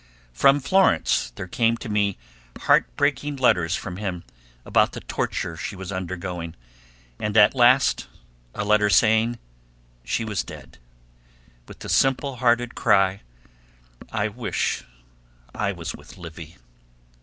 From Florence there came to me heartbreaking letters from him about the torture she was undergoing, and at last a letter saying she was dead, with the simple hearted cry, "I wish I was with Livy."